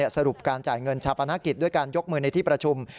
สรุปการจ่ายเงินชาปนกิจด้วยการยกมือในที่ประชุม